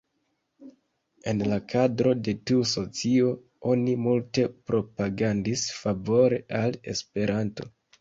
En la kadro de tiu socio, oni multe propagandis favore al Esperanto.